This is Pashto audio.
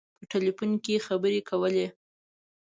په ټلفون کې خبري کولې.